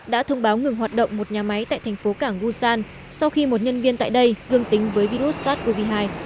đã thông báo ngừng hoạt động một nhà máy tại thành phố cảng ussan sau khi một nhân viên tại đây dương tính với virus sars cov hai